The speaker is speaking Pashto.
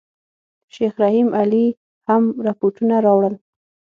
شیخ رحیم علي هم رپوټونه راوړل.